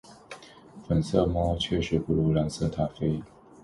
粉色猫雷确实不如蓝色塔菲